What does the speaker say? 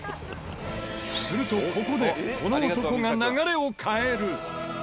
するとここでこの男が流れを変える！